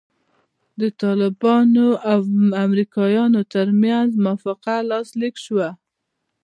د طالبانو او امریکایانو ترمنځ موافقه لاسلیک سوه.